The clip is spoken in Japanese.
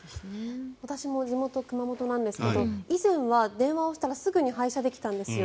私も地元熊本なんですが以前は電話をしたらすぐに配車できたんですよ。